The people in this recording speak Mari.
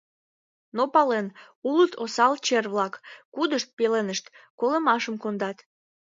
Но пален: улыт осал чер-влак, кудышт пеленышт колымашым кондат.